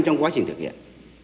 trong quá trình thực hiện